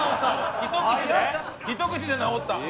ひと口で治った。